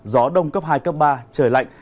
gió đông cấp hai cấp ba trời lạnh